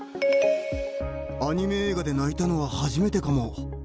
「アニメ映画で泣いたのは初めてかも」